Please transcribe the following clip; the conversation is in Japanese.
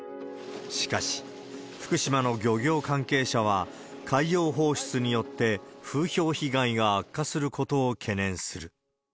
しかし、福島の漁業関係者は、海洋放出によって風評被害が悪化することを懸念する。